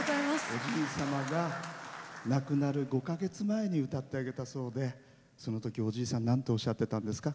おじい様が亡くなる５か月前に歌ってあげたそうでそのとき、おじいさんなんておっしゃってたんですか？